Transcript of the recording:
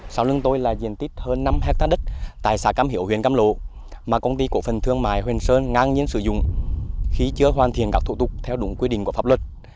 sau lưng tôi là diện tích hơn năm hectare đất tại xã cam hiếu huyện cam lộ mà công ty cổ phần thương mại hoành sơn ngang nhiên sử dụng khi chưa hoàn thiện các thủ tục theo đúng quy định của pháp luật